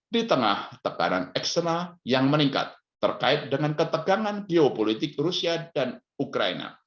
di tengah tekanan eksternal yang meningkat terkait dengan ketegangan geopolitik rusia dan ukraina